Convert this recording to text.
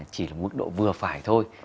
chỉ là mức độ vừa phải thôi